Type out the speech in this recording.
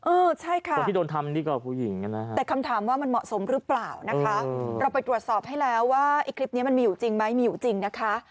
เออใช่ค่ะแต่คำถามว่ามันเหมาะสมหรือเปล่านะคะเราไปตรวจสอบให้แล้วว่าอีกคลิปนี้มันมีอยู่จริงไหมมีอยู่จริงนะคะ